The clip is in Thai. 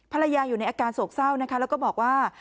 ภรรยาอยู่ในอาการโศกเศร้านะคะแล้วก็บอกว่า